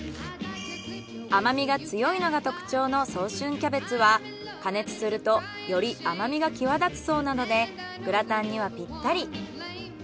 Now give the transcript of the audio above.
甘みが強いのが特徴の早春キャベツは加熱するとより甘みが際立つそうなのでグラタンにはぴったり。